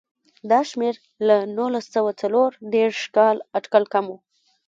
دا شمېر له نولس سوه څلور دېرش کال اټکل کم و.